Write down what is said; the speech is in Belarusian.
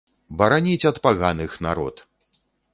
Бараніць ад паганых народ!